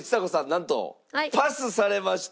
なんとパスされました。